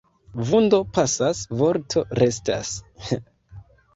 Vundo pasas, vorto restas.